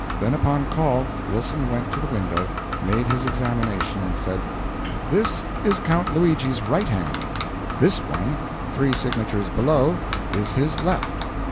Then, upon call, Wilson went to the window, made his examination, and said "This is Count Luigi's right hand; this one, three signatures below, is his left.